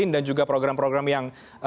dan juga program program yang